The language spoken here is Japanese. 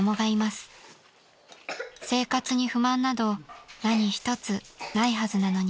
［生活に不満など何一つないはずなのに］